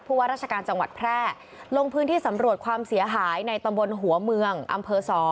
ว่าราชการจังหวัดแพร่ลงพื้นที่สำรวจความเสียหายในตำบลหัวเมืองอำเภอ๒